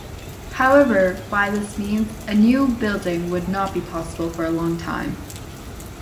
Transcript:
However, by this means, a new building would not be possible for a long time.